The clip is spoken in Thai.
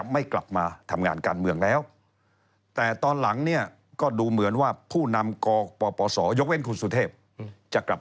แยกกันอย่างไรยุ่งกันอย่างไร